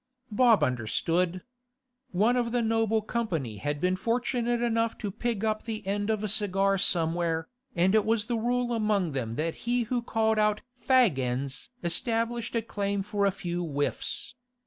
Bob understood. One of the noble company had been fortunate enough to pick up the end of a cigar somewhere, and it was the rule among them that he who called out 'Fag ends!' established a claim for a few whiffs.